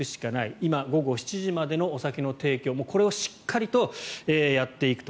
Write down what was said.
今、午後７時までのお酒の提供をしっかりやっていくと。